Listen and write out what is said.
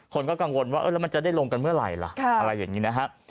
คนก็กังวลว่าแล้วมันจะได้ลงกันเมื่อไหร่ล่ะอะไรอย่างนี้นะฮะ